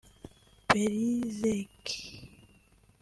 Belzec